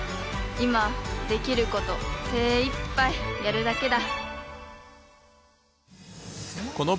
今できること精いっぱいやるだけだ。